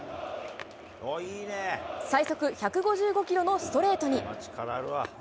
最速１５５キロのストレートに。